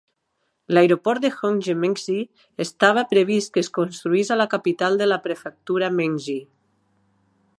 L'aeroport de Honghe Mengzi estava previst que es construís a la capital de la prefectura Mengzi.